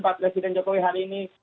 pak presiden jokowi hari ini